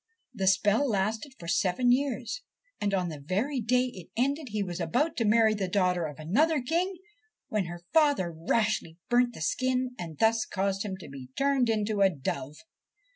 The spell lasted for seven 40 THE SERPENT PRINCE years, and, on the very day it ended, he was about to marry the daughter of another king, when her father rashly burnt the skin and thus caused him to be turned into a dove.